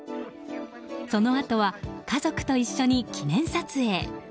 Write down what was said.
そのあとは家族と一緒に記念撮影。